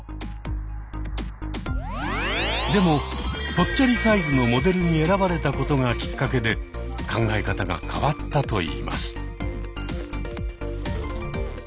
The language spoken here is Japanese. でもぽっちゃりサイズのモデルに選ばれたことがきっかけで考え方が変わったといいます。